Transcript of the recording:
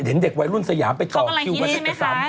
ไม่เห็นเด็กไว้รุ่นสยามไปต่อคิวว่าเจ็บกระซับ